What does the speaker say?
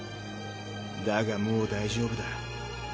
だがもう大丈夫だ。